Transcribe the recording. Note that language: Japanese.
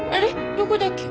どこだっけ？